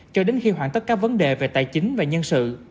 cho đến khi hoạn tất các vấn đề về tài chính và nhân sự